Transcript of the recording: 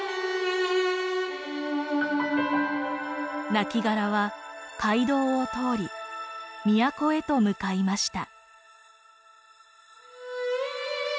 亡骸は街道を通り都へと向かいました。